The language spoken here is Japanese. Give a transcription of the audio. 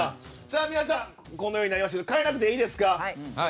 皆さんこのようになりましたが変えなくていいですか。